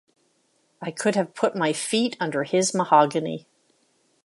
I could have put my feet under his mahogany.